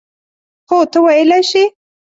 هو، ته ویلای شې.